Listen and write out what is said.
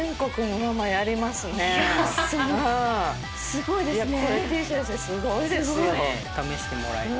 すごいですね。